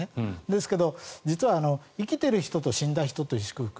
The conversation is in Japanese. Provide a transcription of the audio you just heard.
ですけど、実は生きている人と死んだ人と祝福